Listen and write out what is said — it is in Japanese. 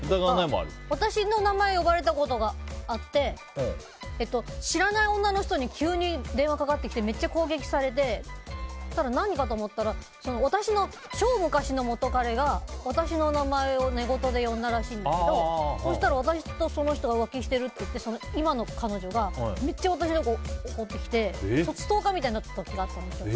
私の名前を呼ばれたことがあって知らない女の人に急に電話かかってきてめっちゃ攻撃されて何かと思ったら私の超昔の元カレが私の名前を寝言で呼んだらしいんですけどそしたら私とその人が浮気しているといって今の彼女がめっちゃ私に怒ってきてストーカーみたいになったことがあったんですよ。